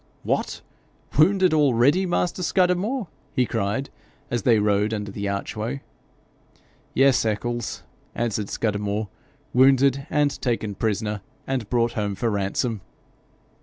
'What! wounded already, master Scudamore!' he cried, as they rode under the archway. 'Yes, Eccles,' answered Scudamore, ' wounded and taken prisoner, and brought home for ransom!'